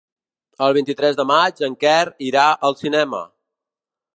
El vint-i-tres de maig en Quer irà al cinema.